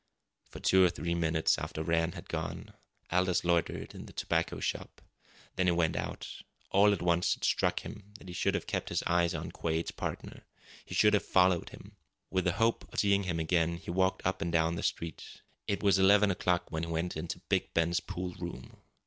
For two or three minutes after Rann had gone Aldous loitered in the tobacco shop. Then he went out. All at once it struck him that he should have kept his eyes on Quade's partner. He should have followed him. With the hope of seeing him again he walked up and down the street. It was eleven o'clock when he went into Big Ben's pool room.